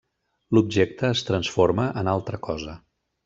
L'objecte es transforma en altra cosa.